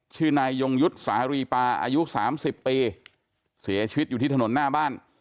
ชื่อนายยงยุทธ์สารีปาอายุสามสิบปีเสียชีวิตอยู่ที่ถนนหน้าบ้าน